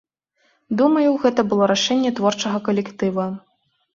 Думаю, гэта было рашэнне творчага калектыва.